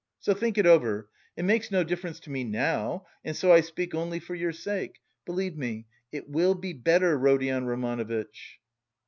So think it over: it makes no difference to me now and so I speak only for your sake. Believe me, it will be better, Rodion Romanovitch."